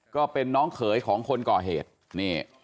ก็เป็นน้องเขยของคนก่อเหตุนี่